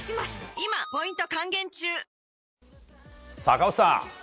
赤星さん